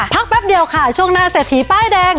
แป๊บเดียวค่ะช่วงหน้าเศรษฐีป้ายแดง